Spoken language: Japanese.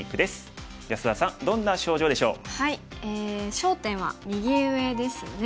焦点は右上ですね。